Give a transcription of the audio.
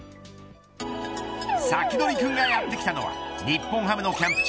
サキドリくんがやってきたのは日本ハムのキャンプ地